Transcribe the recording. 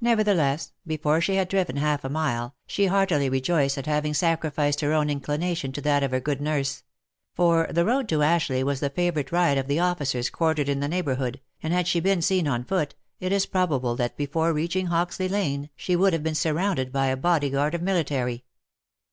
Nevertheless, before she had driven half a mile, she heartily rejoiced at having sacrificed her own inclination to that of her good nurse; for the road to Ashleigh was the favourite ride of the officers quartered in the neighbourhood, and had she been seen on foot, it is probable that before reaching Hoxley lane she would have been surrounded by a body guard of military.